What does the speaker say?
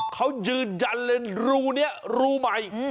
เขายืนยันเลยรูนี้รูใหม่